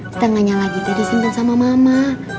setengahnya lagi tadi simpen sama mama